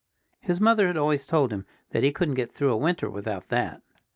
His mother had always told him that he couldn't get through a winter without that.